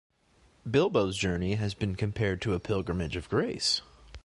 Bilbo's journey has been compared to a pilgrimage of grace.